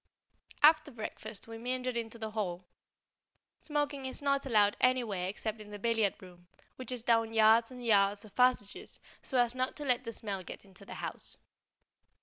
After breakfast we meandered into the hall. Smoking is not allowed anywhere except in the billiard room, which is down yards and yards of passages, so as not to let the smell get into the house.